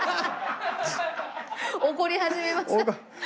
怒り始めました。